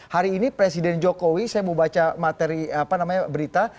hari ini presiden jokowi saya mau baca materi berita